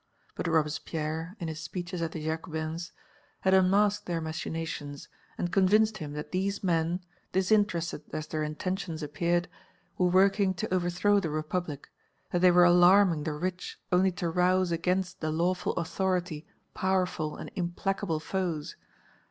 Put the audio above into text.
But Robespierre, in his speeches at the Jacobins, had unmasked their machinations and convinced him that these men, disinterested as their intentions appeared, were working to overthrow the Republic, that they were alarming the rich only to rouse against the lawful authority powerful and implacable foes.